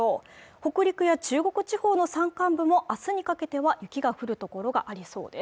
北陸や中国地方の山間部もあすにかけては雪が降る所がありそうです